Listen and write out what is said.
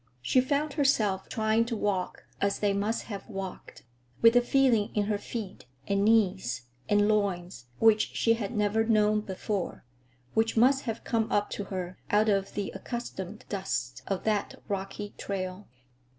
She found herself trying to walk as they must have walked, with a feeling in her feet and knees and loins which she had never known before,—which must have come up to her out of the accustomed dust of that rocky trail.